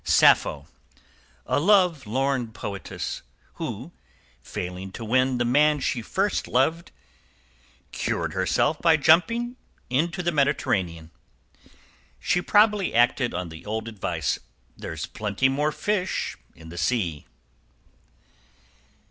=SAPPHO. A love lorn poetess, who, failing to win the man she first loved, cured herself by jumping into the Mediterranean. =She probably acted on the old advice, "There's plenty more fish in the sea!"